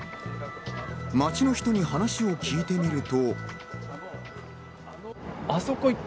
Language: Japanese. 街の人に話を聞いてみると。